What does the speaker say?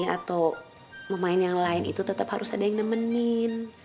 atau mau main yang lain itu tetep harus ada yang nemenin